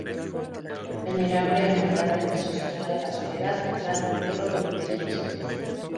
Venerable Hermandad de Nuestra Señora de la Soledad y Santo Entierro de Cristo yacente.